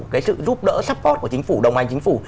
cái sự giúp đỡ support của chính phủ đồng hành chính phủ